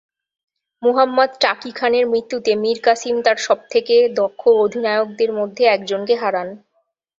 মুহাম্মাদ টাকি খানের মৃত্যুতে মীর কাসিম তার সবচেয়ে দক্ষ অধিনায়কদের মধ্যে একজনকে হারান।